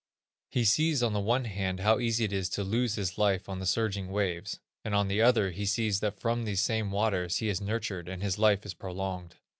He sees on the one hand how easy it is to lose his life on the surging waves, and on the other, he sees that from these same waters he is nurtured, and his life prolonged."